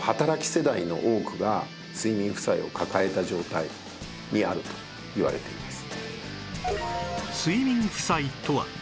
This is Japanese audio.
世代の多くが睡眠負債を抱えた状態にあるといわれています。